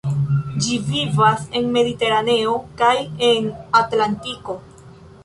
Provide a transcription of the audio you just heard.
Ĝi vivas en Mediteraneo kaj en Atlantiko.